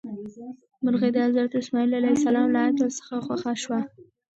مرغۍ د حضرت سلیمان علیه السلام له عدل څخه خوښه شوه.